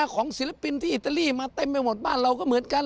ศิลปินที่อิตาลีมาเต็มไปหมดบ้านเราก็เหมือนกัน